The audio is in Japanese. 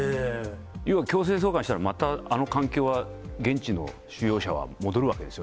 強制送還したら、また環境は現地の収容者は戻るわけでしょ。